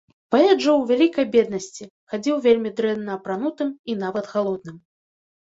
Паэт жыў у вялікай беднасці, хадзіў вельмі дрэнна апранутым і нават галодным.